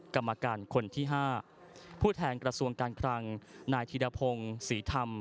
กรรมการคนที่๕ผู้แทนกระทรวงการคลังนายธิรพงศ์ศรีธรรม